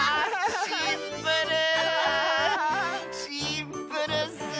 シンプルッス！